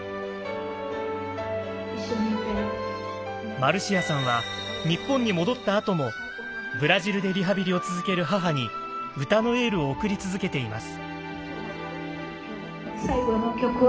マルシアさんは日本に戻ったあともブラジルでリハビリを続ける母に歌のエールを送り続けています。